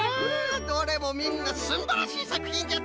どれもみんなすんばらしいさくひんじゃった。